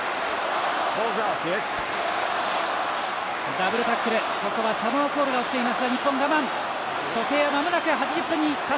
ダブルタックル、ここはサモアコールが起きています。